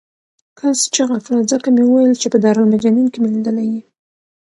کس چغه کړه ځکه مې وویل چې په دارالمجانین کې مې لیدلی یې.